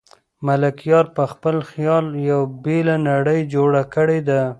ملکیار په خپل خیال یوه بېله نړۍ جوړه کړې ده.